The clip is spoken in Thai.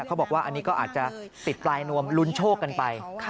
เขาบอกว่าอันนี้ก็อาจจะติดปลายนวมลุ้นโชคกันไป